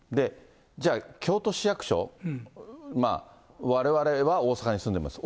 じゃあ、京都市役所、われわれは大阪に住んでます。